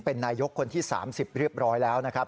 เป็นนายกคนที่๓๐เรียบร้อยแล้วนะครับ